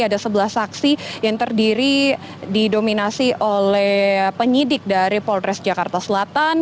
ada sebelas saksi yang terdiri didominasi oleh penyidik dari polres jakarta selatan